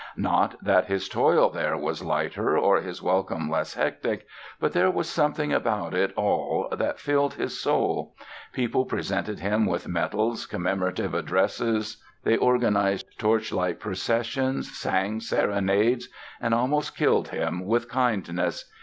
Not that his toil there was lighter or his welcome less hectic! But there was something about it all that filled his soul. People presented him with medals, commemorative addresses, they organized torchlight processions, sang serenades—and almost killed him with kindness.